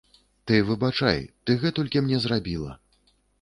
Ты выбачай, ты гэтулькі мне зрабіла!